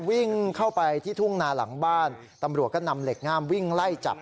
วิ่งเข้าไปที่ทุ่งนาหลังบ้านตำรวจก็นำเหล็กงามวิ่งไล่จับ